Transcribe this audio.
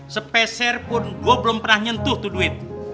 sepeser pun gue belum pernah nyentuh tuh duit